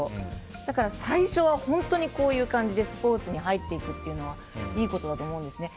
だから最初は本当こういう感じでスポーツに入っていくのはいいことだと思うんですね。